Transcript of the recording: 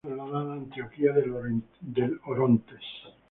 Su puerta fue trasladada a Antioquía del Orontes.